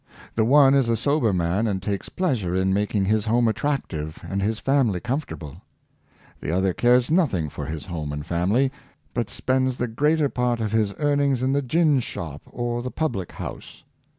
The one is a sober man, and takes pleasure in making his home attractive and his family comfortable; the other cares nothing for his home and family, but spends the greater part of his earnings in the gin shop or the public house.